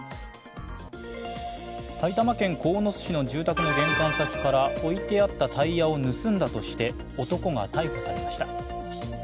埼玉県鴻巣市の住宅の玄関先から置いてあったタイヤを盗んだとして男が逮捕されました。